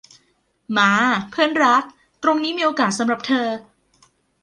มา เพื่อนรัก ตรงนี้มีโอกาสสำหรับเธอ